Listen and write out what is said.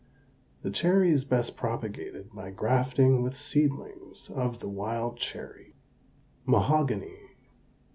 The cherry is best propagated by grafting with seedlings of the wild cherry. MAHOGANY.